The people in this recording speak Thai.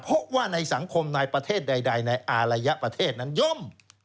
เพราะว่าในสังคมในประเทศใดในอารยประเทศนั้นย่อม